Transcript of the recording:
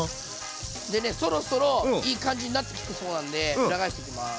でねそろそろいい感じになってきてそうなんで裏返していきます。